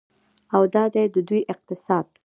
او دا دی د دوی اقتصاد.